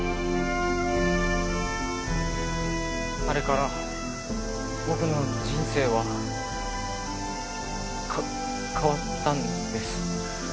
あれから僕の人生はか変わったんです。